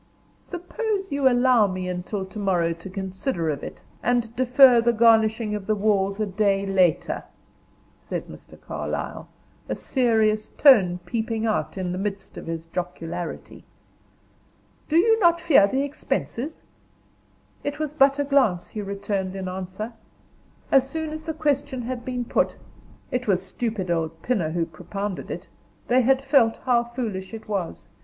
'" "Suppose you allow me until to morrow to consider of it, and defer the garnishing of the walls a day later," said Mr. Carlyle, a serious tone peeping out in the midst of his jocularity. "You do not fear the expenses?" It was but a glance he returned in answer. As soon as the question had been put it was stupid old Pinner who propounded it they had felt how foolish it was.